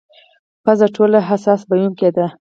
پزه ټولو حساس بویونکې ده.